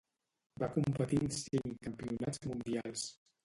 Va competir en cinc campionats mundials.